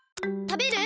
食べる？